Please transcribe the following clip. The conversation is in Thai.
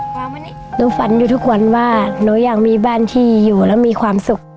หนูฝันอยู่ทุกวันว่าหนูอยากมีบ้านที่อยู่แล้วมีความสุข